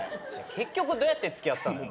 結局どうやって付き合ったんだよ。